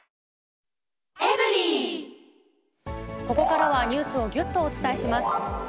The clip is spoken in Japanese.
ここからはニュースをぎゅっとお伝えします。